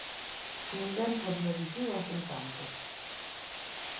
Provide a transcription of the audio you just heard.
Ninguén podía dicir outro tanto